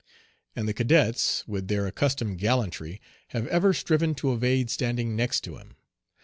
And the cadets, with their accustomed gallantry, have ever striven to evade "standing next to him."